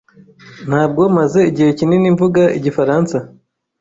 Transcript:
Ntabwo maze igihe kinini mvuga igifaransa.